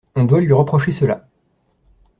On doit lui reprocher cela.